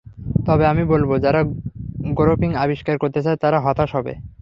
তবে আমি বলব, যারা গ্রপিং আবিষ্কার করতে চায়, তারা হতাশ হবে।